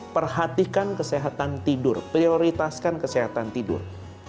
perhatikan kesehatan tidur prioritaskan kesehatan tidur